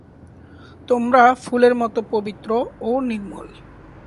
তোমরা ফুলের মত পবিত্র ও নির্মল।